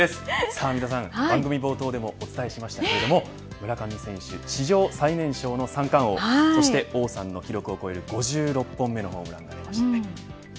さあ皆さん、番組冒頭でもお伝えしましたけれども村上選手、史上最年少の三冠王そして王さんの記録を超える５６本目のホームラン出ましたね。